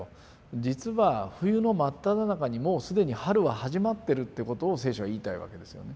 実は冬の真っただ中にもう既に春は始まってるってことを聖書は言いたいわけですよね。